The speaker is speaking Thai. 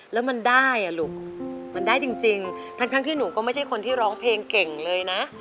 แล้วมันได้อ่ะลูกมันได้จริงทั้งที่หนูก็ไม่ใช่คนที่ร้องเพลงเก่งเลยนะ